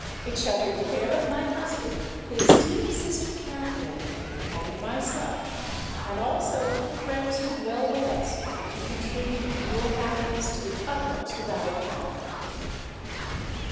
It shall be the care of my husband, his dear sister Katherine, and myself, and also of the friends who dwell with us, to contribute to your happiness to the utmost of our power!"